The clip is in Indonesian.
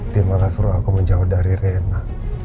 dia malah suruh aku menjauh dari riana